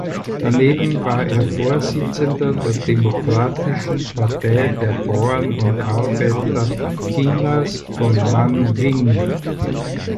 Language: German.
Daneben war er Vorsitzender der Demokratischen Partei der Bauern und Arbeiter Chinas von Nanjing.